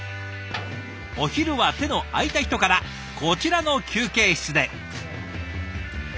お昼は手の空いた人からこちらの休憩室で。